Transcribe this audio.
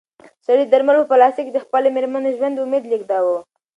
سړي د درملو په پلاستیک کې د خپلې مېرمنې د ژوند امید لېږداوه.